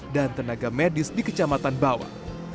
dan tenaga medis di kecamatan bawang